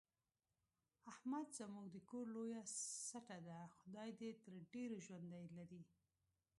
احمد زموږ د کور لویه سټه ده، خدای دې تر ډېرو ژوندی لري.